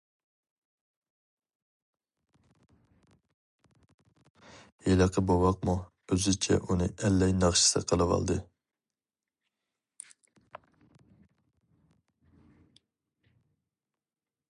ھېلىقى بوۋاقمۇ ئۆزىچە ئۇنى ئەللەي ناخشىسى قىلىۋالدى.